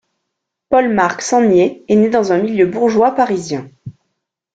Paul Marc Sangnier est né dans un milieu bourgeois parisien.